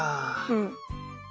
うん。